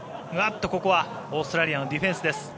ここはオーストラリアのディフェンスです。